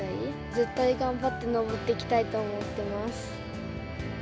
絶対頑張って登ってきたいと思ってます。